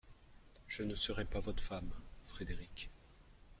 Je ne serai pas votre femme, Frédéric.